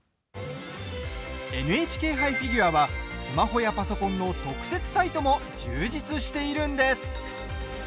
「ＮＨＫ杯フィギュア」はスマホやパソコンの特設サイトも充実しているんです。